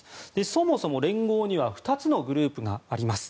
そもそも連合には２つのグループがあります。